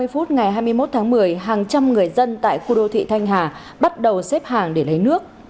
một mươi tám h ba mươi ngày hai mươi một tháng một mươi hàng trăm người dân tại khu đô thị thanh hà bắt đầu xếp hàng để lấy nước